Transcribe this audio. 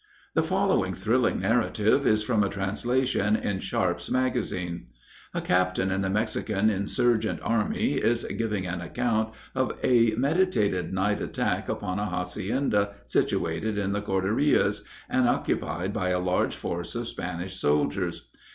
The following thrilling narrative is from a translation in Sharpe's Magazine. A captain in the Mexican insurgent army is giving an account of a meditated night attack upon a hacienda situated in the Cordilleras, and occupied by a large force of Spanish soldiers.